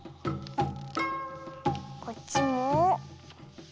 こっちも。